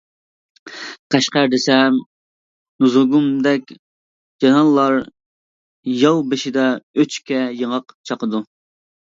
«قەشقەر» دېسەم، نۇزۇگۇمدەك جانانلار ياۋ بېشىدا ئۈچكە، ياڭاق. چاقىدۇ.